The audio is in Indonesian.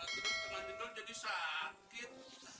amin ya tuhan